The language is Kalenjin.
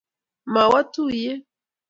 mawoo tuyee